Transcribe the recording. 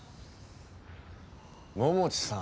桃地さん。